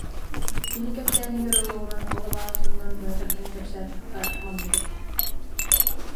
Кини кэпсээнигэр олоҕуран ол абааһы туһунан быһа тардан кэпсээтэххэ, маннык этэ